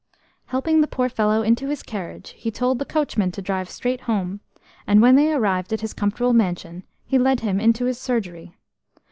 Helping the poor fellow into his carriage, he told the coachman to drive straight home, and when they arrived at his comfortable mansion, he led him into his surgery.